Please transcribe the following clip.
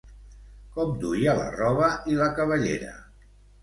Com duia la roba i la cabellera?